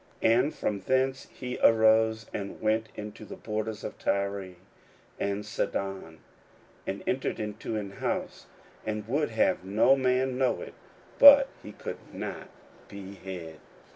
41:007:024 And from thence he arose, and went into the borders of Tyre and Sidon, and entered into an house, and would have no man know it: but he could not be hid.